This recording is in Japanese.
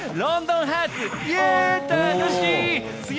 「ロンドンハーツ」